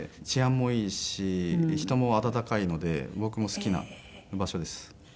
治安もいいし人も温かいので僕も好きな場所です。